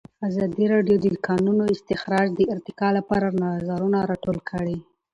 ازادي راډیو د د کانونو استخراج د ارتقا لپاره نظرونه راټول کړي.